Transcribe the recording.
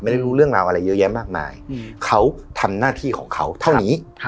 ได้รู้เรื่องราวอะไรเยอะแยะมากมายเขาทำหน้าที่ของเขาเท่านี้